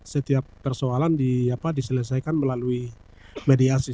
setiap persoalan diselesaikan melalui mediasi